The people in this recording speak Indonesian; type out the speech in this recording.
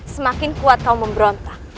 semakin kuat kau memberontak